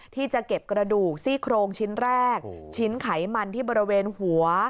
ที่จะเก็บกระดูกซี่โครงชิ้นแรกชิ้นไขมันที่บริเวณหัว